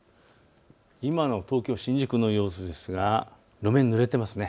今の東京新宿の様子ですが路面、ぬれていますね。